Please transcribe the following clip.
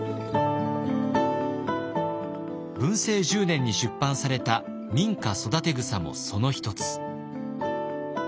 文政１０年に出版された「民家育草」もその一つ。